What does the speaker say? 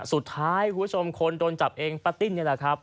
สุดท้ายคนโดนจับเองปะติ้นแหละครับ